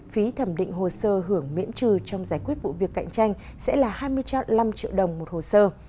phí thẩm định hồ sơ hưởng miễn trừ trong giải quyết vụ việc cạnh tranh sẽ là hai mươi năm triệu đồng một hồ sơ